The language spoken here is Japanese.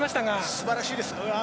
すばらしいです。